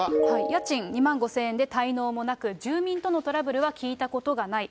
家賃２万５０００円で、滞納もなく、住民とのトラブルも聞いたことがない。